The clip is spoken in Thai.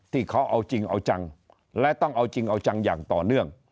ที่เขาเอาจริงเอาจังและต้องเอาจริงเอาจังอย่างต่อเนื่อง